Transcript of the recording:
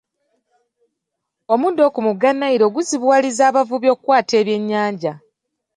Omuddo ku mugga Nile guzibuwalizza abavubi okukwata ebyenyanja.